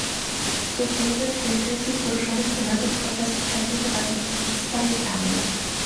Był to jeden z najczęściej poruszanych tematów podczas poprzedniej debaty, którą wszyscy pamiętamy